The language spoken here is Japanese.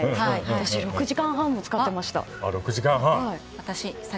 私、６時間半も使ってました。